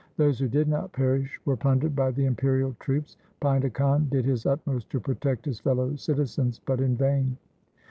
Those who did not perish were plundered by the imperial troops. Painda Khan did his utmost to protect his fellow citizens, but in vain.